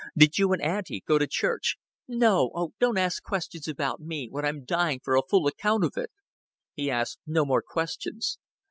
Did you and Auntie go to church?" "No. Oh, don't ask questions about me when I'm dying for a full account of it." He asked no more questions.